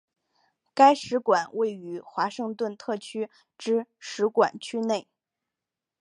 该使馆位于华盛顿特区之使馆区内。